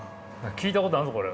聞いたことあんぞこれ。